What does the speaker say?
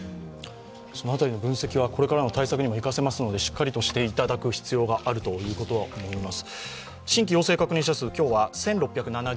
その辺りの分析は、このあとの対策にも生かせますのでしっかりしていただく必要があると思います。